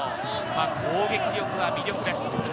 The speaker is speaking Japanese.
攻撃力が魅力です。